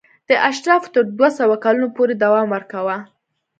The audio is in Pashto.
دا اشرافو تر دوه سوه کلونو پورې دوام ورکاوه.